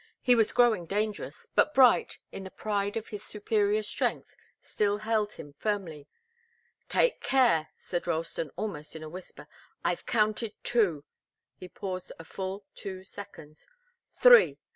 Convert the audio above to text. He was growing dangerous, but Bright, in the pride of his superior strength, still held him firmly. "Take care!" said Ralston, almost in a whisper. "I've counted two." He paused a full two seconds. "Three!